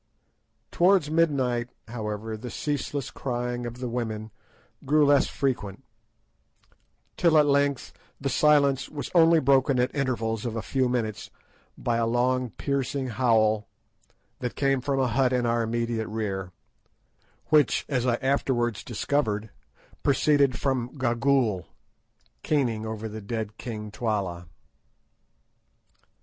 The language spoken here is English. Towards midnight, however, the ceaseless crying of the women grew less frequent, till at length the silence was only broken at intervals of a few minutes by a long piercing howl that came from a hut in our immediate rear, which, as I afterwards discovered, proceeded from Gagool "keening" over the dead king Twala.